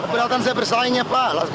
keberatan saya bersaingnya pak